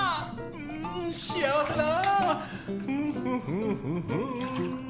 うん幸せだ！